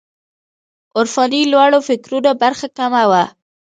عرفاني لوړو فکرونو برخه کمه وه.